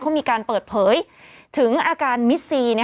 เขามีการเปิดเผยถึงอาการมิสซี